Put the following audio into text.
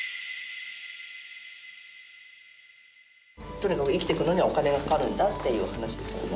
とにかく生きていくのにはお金がかかるんだっていう話ですよね。